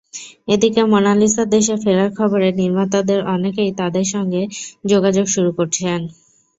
এদিকে মোনালিসার দেশে ফেরার খবরে নির্মাতাদের অনেকেই তাঁর সঙ্গে যোগাযোগ শুরু করেছেন।